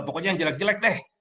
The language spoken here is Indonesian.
pokoknya yang jelek jelek deh